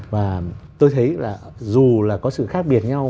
và tôi thấy là dù là có sự khác biệt nhau